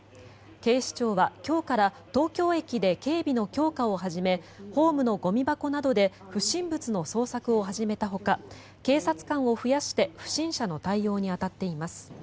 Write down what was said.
警視庁は今日から東京駅で警備の強化を始めホームのゴミ箱などで不審物の捜索を始めたほか警察官を増やして不審者の対応に当たっています。